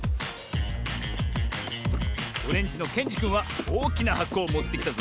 オレンジのけんじくんはおおきなはこをもってきたぞ。